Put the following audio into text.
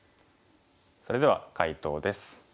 それでは解答です。